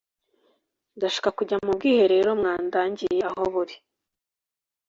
ndashaka kujya mubwiherero mwandangiye aho buri